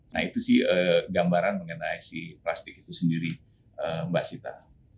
nah itu sih gambaran mengenai si plastik itu sendiri mbak sita